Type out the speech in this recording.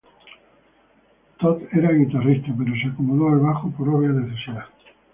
Todd era guitarrista, pero se acomodó al bajo por obvia necesidad.